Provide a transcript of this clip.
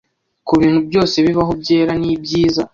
Kubintu byose bibaho byera nibyiza